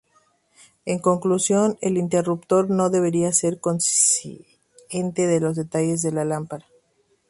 En conclusión, el interruptor no debería ser consciente de los detalles de la lámpara.